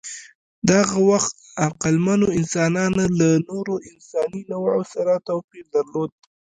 د هغه وخت عقلمنو انسانانو له نورو انساني نوعو سره توپیر درلود.